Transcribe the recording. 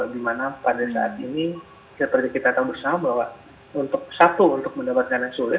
dimana pada saat ini seperti kita tahu bersama bahwa untuk satu untuk mendapatkan yang sulit